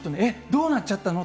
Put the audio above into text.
どうなっちゃったの？